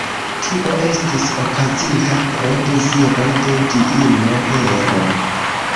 Tio estis okazinta pro deziro de diino Hero.